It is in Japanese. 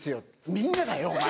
みんなだよお前！